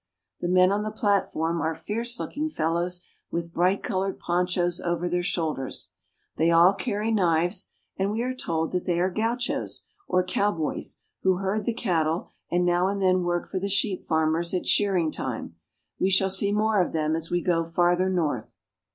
The men on the platform are fierce looking fellows with bright colored ponchos over their shoulders. They all But here we are at a station." carry knives, and we are told that they are gauchos, or cowboys, who herd the cattle and now and then work for the sheep farmers at shearing time. We shall see more of them as we go farther north.